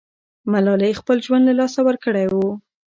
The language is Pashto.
ملالۍ خپل ژوند له لاسه ورکړی وو.